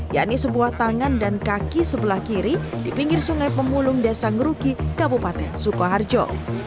yakni sebuah tangan dan kaki sebelah kiri di pinggir sungai pemulung desa ngeruki kabupaten sukoharjo